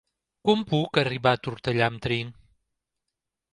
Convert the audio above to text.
Com puc arribar a Tortellà amb tren?